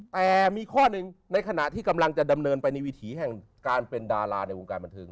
แต่มีข้อหนึ่งในขณะที่กำลังจะดำเนินไปในวิถีแห่งการเป็นดาราในวงการบันเทิง